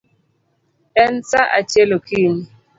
En saa achiel okinyi